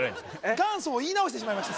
元祖を言い直してしまいました